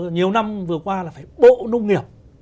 nhiều năm vừa qua là phải bộ nông nghiệp